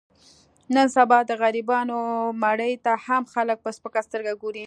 نن سبا د غریبانو مړي ته هم خلک په سپکه سترګه ګوري.